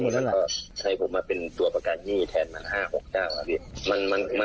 ถ้าให้ผมมาเป็นตัวประกันหนี้แทนอย่าง๕๖เจ้า